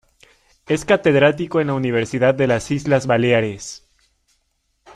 Es catedrático en la Universidad de las Islas Baleares.